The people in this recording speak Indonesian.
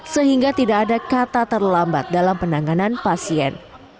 sehingga tidak ada kata terlambat dalam penanganan pasien